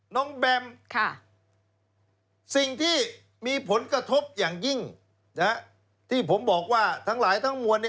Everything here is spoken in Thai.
แบมสิ่งที่มีผลกระทบอย่างยิ่งที่ผมบอกว่าทั้งหลายทั้งมวล